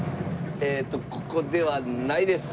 えーとここではないです。